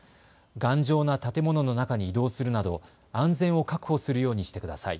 頑丈な建物の中に移動するなど、安全を確保するようにしてください。